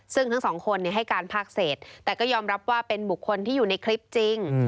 ซึ่งทั้งสองคนให้การภาคเศษแต่ก็ยอมรับว่าเป็นบุคคลที่อยู่ในคลิปจริง